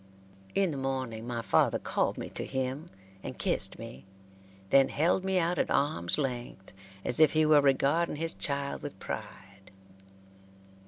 In the morning my father called me to him and kissed me, then held me out at arms' length as if he were regarding his child with pride.